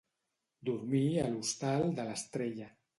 Dormir a l'hostal de l'estrella.